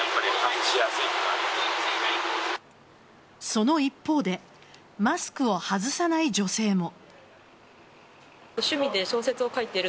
その一方でマスクを外さない女性も。